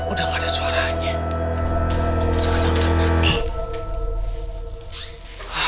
udah ada suaranya